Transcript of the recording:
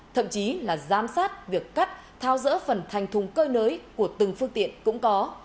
thậm chí là giám sát việc cắt thao dỡ phần thành thùng cơi nới của từng phương tiện cũng có